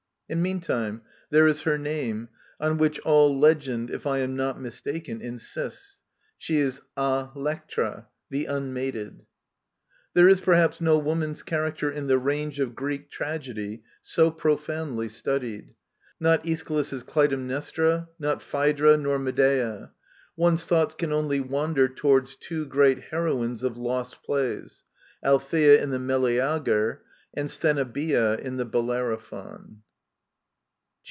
And meantime there is her name, on which all legend, if I am not mistaken, insists ; she is A Uktray "the UnmateA" There is, perhaps, no woman's character in the range of Greek tragedy so profoundly studied. Not Aeschylus' Clytemnestra, not Phaedra nor Medea. One's thoughts can only wander towards two great heroines of "lost" plays. Althaea in the MeUager^ and Stheneboea in the Bellerophon.